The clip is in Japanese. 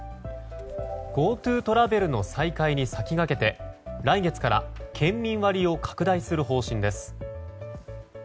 ＧｏＴｏトラベルの再開に先駆けて来月から県民割を拡大する方針です。